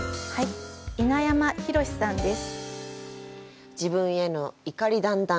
稲山博司さんです。